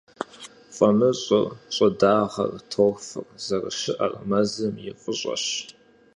ФӀамыщӀыр, щӀыдагъэр, торфыр зэрыщыӀэр мэзым и фӀыщӀэщ.